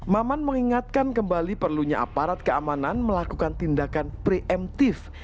maman mengingatkan kembali perlunya aparat keamanan melakukan tindakan preemptif